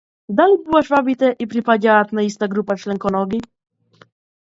Дали бубашвабите и припаѓаат на иста група членконоги?